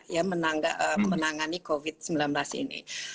ya menangani covid sembilan belas ini